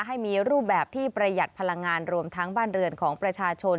ให้มีรูปแบบที่ประหยัดพลังงานรวมทั้งบ้านเรือนของประชาชน